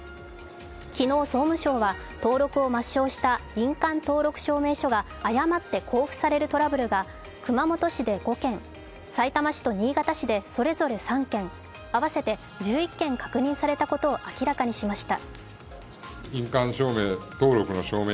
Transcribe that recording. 昨日、総務省は登録を抹消した印鑑登録証明書が誤って交付されるトラブルが熊本市で５件さいたま市と新潟市でそれぞれ３件合わせて１１件確認されたことを明らかにしました。